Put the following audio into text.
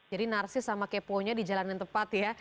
jadi narsis sama kepo nya di jalanan tepat ya